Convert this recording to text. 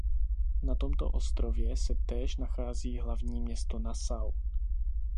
Na tomto ostrově se též nachází hlavní město státu Nassau.